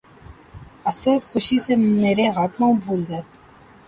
اسد! خوشی سے مرے ہاتھ پاؤں پُھول گئے